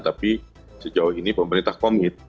tapi sejauh ini pemerintah komit